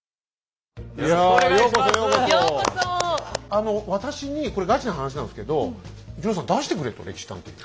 あの私にこれガチな話なんですけど「二朗さん出してくれ」と「歴史探偵」に。